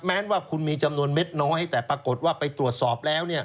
แม้ว่าคุณมีจำนวนเม็ดน้อยแต่ปรากฏว่าไปตรวจสอบแล้ว